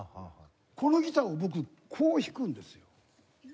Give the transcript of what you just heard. このギターを僕こう弾くんですよ。